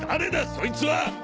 そいつは。